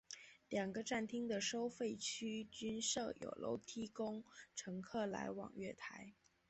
两个站厅的收费区均设有楼梯供乘客来往月台。